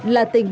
là tỉnh bái